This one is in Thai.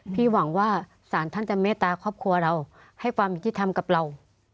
พี่หวังว่าศาลท่านจะเมตตาครอบครัวเราให้ความจริงที่ทำกับเรา